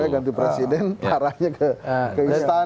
ganti presiden arahnya ke istana